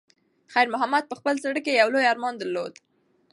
خیر محمد په خپل زړه کې یو لوی ارمان درلود.